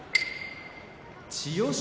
千代翔